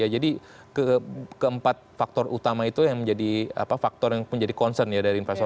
jadi keempat faktor utama itu yang menjadi faktor yang menjadi concern dari investor